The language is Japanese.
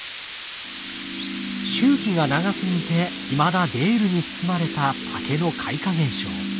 周期が長すぎていまだベールに包まれた竹の開花現象。